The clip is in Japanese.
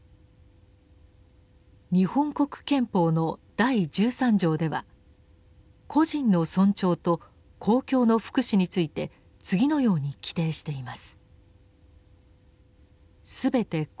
日本国憲法の第十三条では「個人の尊重と公共の福祉」について次のように規定しています。